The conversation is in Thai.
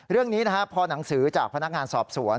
เรื่องนี้พอหนังสือจากพนักงานสอบสวน